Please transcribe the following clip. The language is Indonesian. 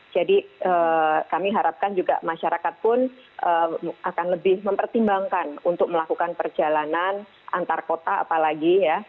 jadi kami harapkan juga masyarakat pun akan lebih mempertimbangkan untuk melakukan perjalanan antar kota apalagi ya